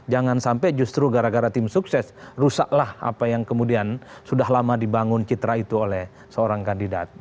jangan sampai justru gara gara tim sukses rusaklah apa yang kemudian sudah lama dibangun citra itu oleh seorang kandidat